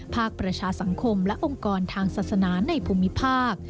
ประชาสังคมและองค์กรทางศาสนาในภูมิภาค